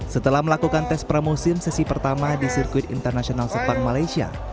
setelah melakukan tes pramusim sesi pertama di sirkuit internasional sepang malaysia